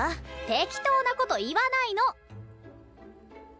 適当なこと言わないの！